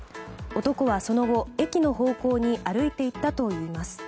男はその後、駅の方向に歩いて行ったといいます。